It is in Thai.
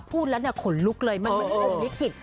พูดแล้วเนี่ยขนลุกเลยมันเหมือนกลุ่มลิขิต